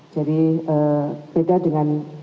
jadi beda dengan